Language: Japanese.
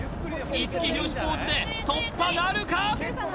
五木ひろしポーズで突破なるか？